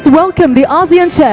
pemerintah pemerintah lau